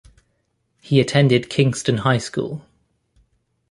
He attended Kingston High School.